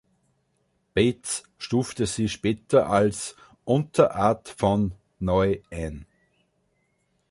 Bates stufte sie später als Unterart von ““ neu ein.